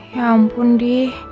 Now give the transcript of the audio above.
ya ampun di